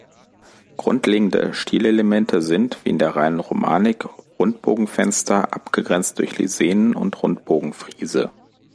Grundlegende Stilelemente sind, wie in der reinen Romanik, Rundbogenfenster, abgegrenzt durch Lisenen, und Rundbogenfriese.